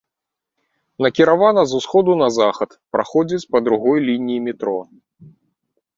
Накіравана з усходу на захад, праходзіць па другой лініі метро.